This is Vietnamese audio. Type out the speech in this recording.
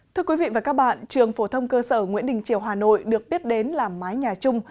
thưa quý vị và các bạn trường phổ thông cơ sở nguyễn đình triều hà nội được biết đến là mái nhà chung